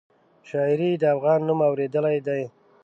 شاعري د افغان نوم اورېدلی دی.